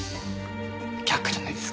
却下じゃないですか？